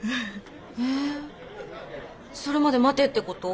えそれまで待てってこと？